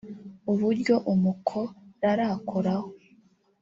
uburyo umukorarakoraho